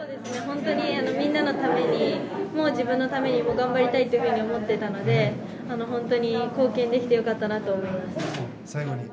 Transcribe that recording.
本当にみんなのためにも自分のためにも頑張りたいって思っていたので本当に貢献できてよかったなと思います。